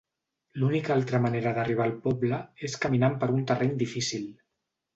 L'única altra manera d'arribar al poble és caminant per un terreny difícil.